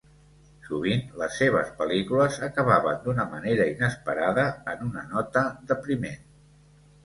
Sovint, les seves pel·lícules acabaven d'una manera inesperada en una nota depriment.